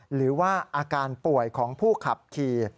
หรือว่าอาการป่วยของผู้ขับขี่